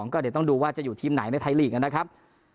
ก็เดี๋ยวต้องดูว่าจะอยู่ทีมไหนในไทยลีกนะครับ